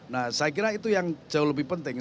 nah saya kira itu yang jauh lebih penting